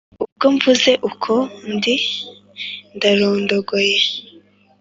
ubwo mvuze uko ndi ndarondogoye.